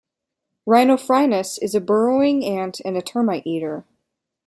"Rhinophrynus" is a burrowing ant and termite eater.